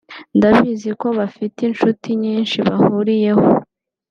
ndabizi ko bafite inshuti nyinshi bahuriyeho